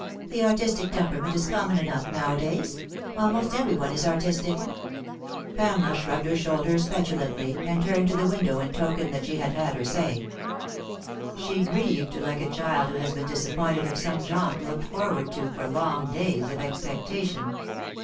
The artistic temperament is common enough nowadays. Almost every one is artistic." Pamela shrugged her shoulders petulantly, and turned to the window in token that she had said her say. She grieved like a child who has been disappointed of some jaunt looked forward to for long days of expectation.